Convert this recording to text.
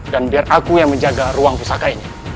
dan biar aku yang menjaga ruang pisaka ini